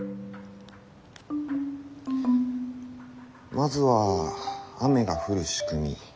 まずは雨が降る仕組み